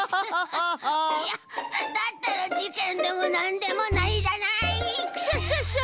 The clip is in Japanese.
いやだったらじけんでもなんでもないじゃない！クシャシャシャ！